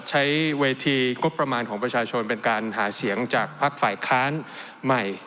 ใช้เวทีงบประมาณของประชาชนเป็นการหาเสียงจากภักดิ์ฝ่ายค้านใหม่